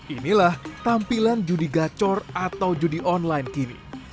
inilah tampilan judi gacor atau judi online kini